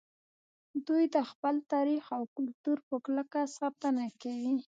دوی د خپل تاریخ او کلتور په کلکه ساتنه کوي